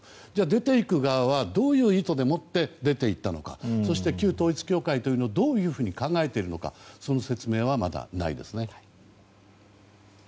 出ていく側はどういう意図でもって出ていったのかそして旧統一教会をどう考えているのかその説明はまだないですね。